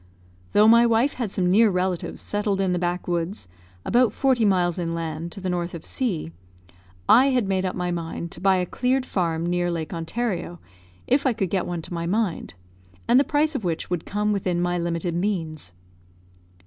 Though my wife had some near relatives settled in the backwoods, about forty miles inland, to the north of C , I had made up my mind to buy a cleared farm near Lake Ontario, if I could get one to my mind, and the price of which would come within my limited means.